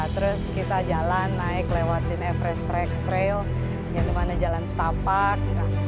terus kita jalan naik lewatin everest trail yang dimana jalan setapak